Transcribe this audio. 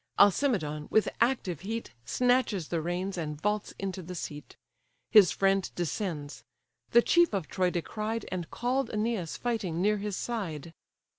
Alcimedon, with active heat, Snatches the reins, and vaults into the seat. His friend descends. The chief of Troy descried, And call'd Æneas fighting near his side.